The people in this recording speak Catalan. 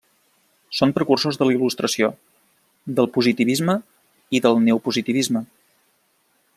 Són precursors de la il·lustració, del positivisme i del neopositivisme.